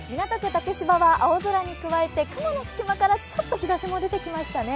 竹芝は青空に加えて雲の隙間から、ちょっと日ざしも出てきましたね。